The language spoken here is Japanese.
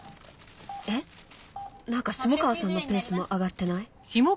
えっ何か下川さんのペースも上がってない？